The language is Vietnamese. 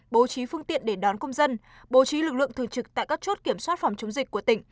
bố trí phương tiện để đón công dân bố trí lực lượng thường trực tại các chốt kiểm soát phòng chống dịch của tỉnh